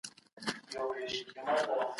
د پښتو ژبي حق ادا کړه.